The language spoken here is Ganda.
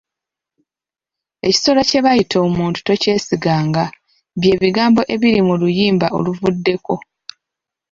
Ekisolo kye bayita omuntu tokyesiganga, by'ebigambo ebiri mu luyimba oluvuddeko.